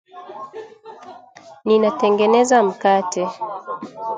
Ninatengeneza mkate